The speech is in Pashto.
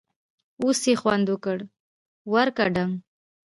اوس یې خوند وکړ٬ ورکه ډنګ!